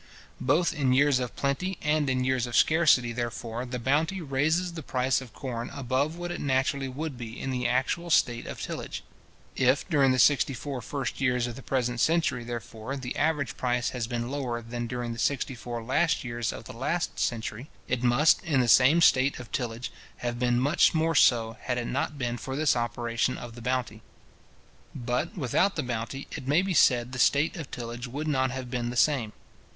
Both in years of plenty and in years of scarcity, therefore, the bounty raises the price of corn above what it naturally would be in the actual state of tillage. If during the sixty four first years of the present century, therefore, the average price has been lower than during the sixty four last years of the last century, it must, in the same state of tillage, have been much more so, had it not been for this operation of the bounty. But, without the bounty, it may be said the state of tillage would not have been the same.